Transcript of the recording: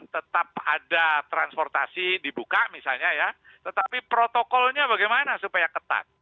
tetap ada transportasi dibuka misalnya ya tetapi protokolnya bagaimana supaya ketat